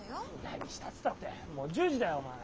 何したっつったってもう１０時だよお前。